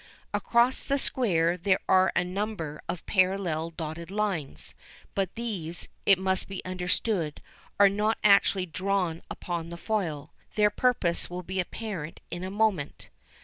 Across the square there are a number of parallel dotted lines, but these, it must be understood, are not actually drawn upon the foil their purpose will be apparent in a moment.